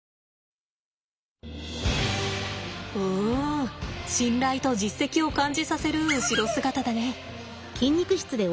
うん信頼と実績を感じさせる後ろ姿だね。